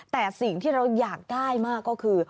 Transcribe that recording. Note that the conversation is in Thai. แต่สิ่งที่เราอยากได้มากก็คือ